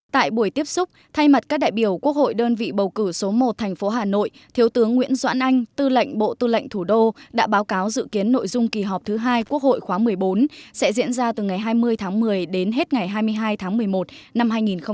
tại buổi tiếp xúc thay mặt các đại biểu quốc hội đơn vị bầu cử số một thành phố hà nội thiếu tướng nguyễn doãn anh tư lệnh bộ tư lệnh thủ đô đã báo cáo dự kiến nội dung kỳ họp thứ hai quốc hội khóa một mươi bốn sẽ diễn ra từ ngày hai mươi tháng một mươi đến hết ngày hai mươi hai tháng một mươi một năm hai nghìn hai mươi